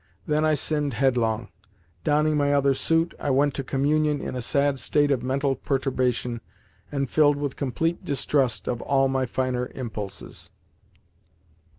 Then I sinned headlong. Donning my other suit, I went to Communion in a sad state of mental perturbation, and filled with complete distrust of all my finer impulses.